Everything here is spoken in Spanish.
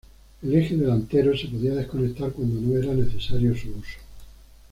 El eje delantero se podía desconectar cuando no era necesario su uso.